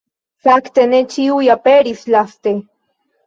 Fakte ne ĉiuj aperis laste.